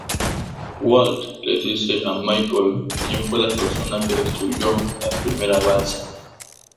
Walt le dice a Michael quien fue la persona que destruyó la primera balsa.